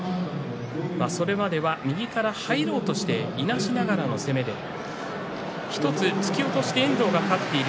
それまでは右から入ろうとしていなしながらの攻めで１つ、突き落としで遠藤が勝っている。